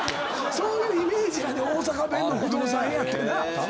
そういうイメージやねん大阪弁の不動産屋ってな。